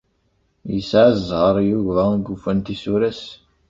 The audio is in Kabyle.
Yesɛa ẓẓher Yuba i yufan tisura-s.